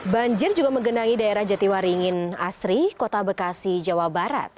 banjir juga menggenangi daerah jatiwaringin asri kota bekasi jawa barat